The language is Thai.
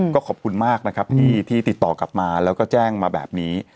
ก็ขอบคุณมากนะครับที่ติดต่อกลับมาแล้วก็แจ้งมาแบบนี้